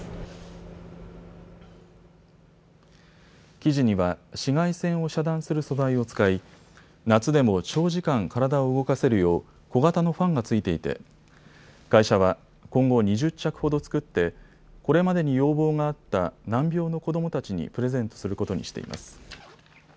生地には紫外線を遮断する素材を使い、夏でも長時間、体を動かせるよう小型のファンがついていて会社は今後、２０着ほど作ってこれまでに要望があった難病の子どもたちにプレゼントすることにしています。